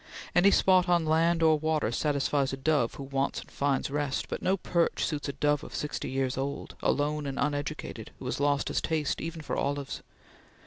Any spot on land or water satisfies a dove who wants and finds rest; but no perch suits a dove of sixty years old, alone and uneducated, who has lost his taste even for olives.